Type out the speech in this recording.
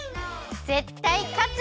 ぜったいかつ！